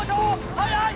速い！